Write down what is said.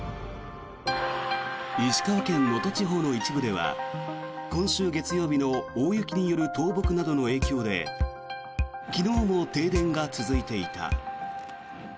石川県能登地方の一部では今週月曜の大雪による倒木などの影響で昨日も停電が続いていた。